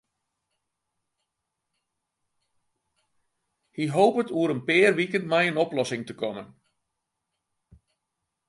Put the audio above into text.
Hy hopet oer in pear wiken mei in oplossing te kommen.